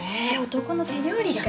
男の手料理か。